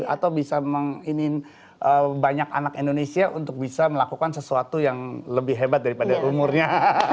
atau bisa mengini banyak anak indonesia untuk bisa melakukan sesuatu yang lebih hebat daripada umurnya